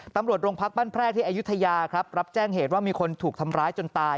ตำรวจโรงพักบ้านแพร่ที่อายุทยาครับรับแจ้งเหตุว่ามีคนถูกทำร้ายจนตาย